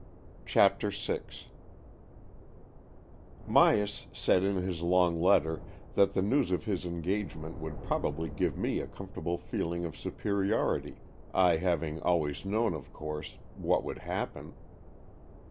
CHAPTER VI Myas said in his long letter that the n,ews of his engagement would probably give me a comfortable feeling of superiority, I having always known, of course, what would happen.